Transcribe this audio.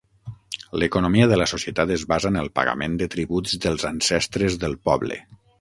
L'economia de la societat es basa en el pagament de tributs dels ancestres del poble.